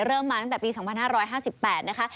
เริ่มมาตั้งแต่ปี๒๕๕๘นะคะ